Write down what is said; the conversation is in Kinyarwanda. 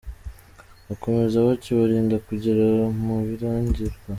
Bakomeza batyo barinda kugera mu Birangirwa.